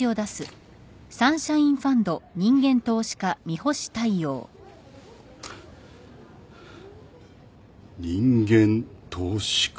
人間投資家？